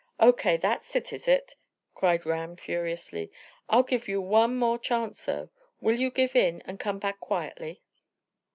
"Oh, that's it, is it?" cried Ram furiously. "I give you one more chance, though will you give in, and come back quietly?"